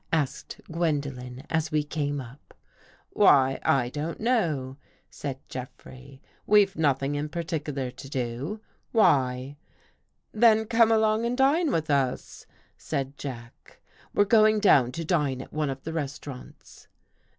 asked Gwendolen as we came up. "Why, I don't know," said Jeffrey. "We've nothing in particular to do? Why?" " Then come along and dine with us," said Jack. " We're going down to dine at one of the restau rants."